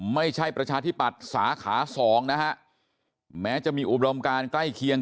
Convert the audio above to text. ไม่ใช่ประชาธิปัตธิ์สาขา๒นะฮะแม้จะมีอุบรมการใกล้เคียง